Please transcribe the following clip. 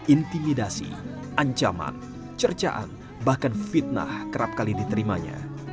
intimidasi ancaman cercaan bahkan fitnah kerap kali diterimanya